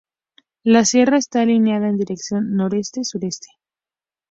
La sierra está alineada en dirección Noroeste-Sureste.